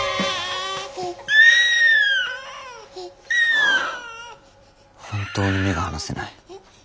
はあ本当に目が離せない。